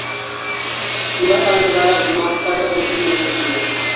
সূরা আল-বালাদ মক্কায় অবতীর্ণ হয়েছে।